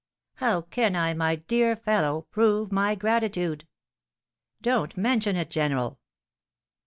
"How can I, my dear fellow, prove my gratitude?" "Don't mention it, general."